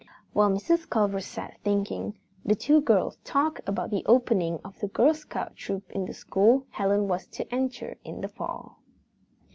While Mrs. Culver sat thinking the two girls talked about the opening of the Girl Scout troop in the school Helen was to enter in the fall.